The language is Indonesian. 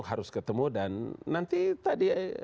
harus ketemu dan nanti tadi